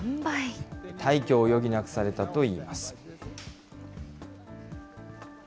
退去を余儀なくされたといいます。